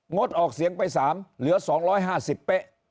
ดออกเสียงไป๓เหลือ๒๕๐เป๊ะ